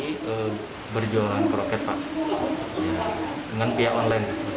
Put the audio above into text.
saya berjualan kroket pak dengan pihak online